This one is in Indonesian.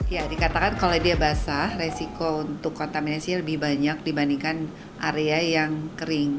ya dikatakan kalau dia basah resiko untuk kontaminasi lebih banyak dibandingkan area yang kering